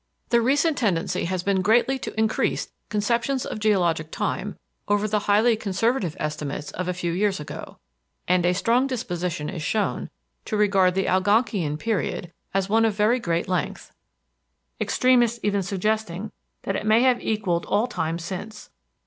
The recent tendency has been greatly to increase conceptions of geologic time over the highly conservative estimates of a few years ago, and a strong disposition is shown to regard the Algonkian period as one of very great length, extremists even suggesting that it may have equalled all time since.